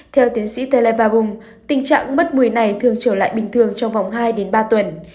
theo tiến sĩ tây lê ba bùng tình trạng mất mùi này thường trở lại bình thường trong vòng hai đến ba tuần